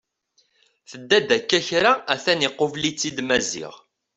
Tedda-d akka kra a-t-an iqubel-itt-id Maziɣ.